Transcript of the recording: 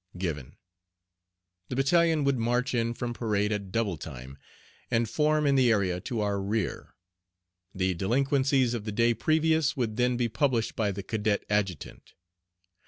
given. The battalion would march in from parade at double time and form in the area to our rear. The delinquencies of the day previous would then be published by the cadet adjutant.